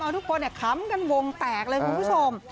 ทุกคนค้ำกันวงแตกเลยคุณผู้ชม